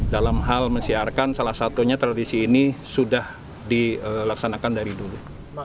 dalam hal mesiarkan salah satunya tradisi ini sudah dilaksanakan dari dulu